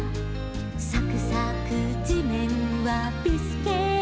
「さくさくじめんはビスケット」